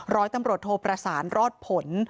ร้อยตำรวจโทประสานรอดผล